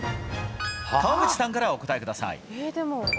川口さんからお答えください。